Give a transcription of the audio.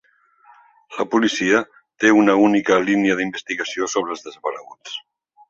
La policia té una única línia d'investigació sobre els desapareguts.